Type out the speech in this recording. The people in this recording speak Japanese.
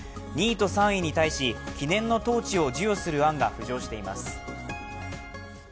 ２位と３位に対し記念のトーチを授与する案が浮上しています。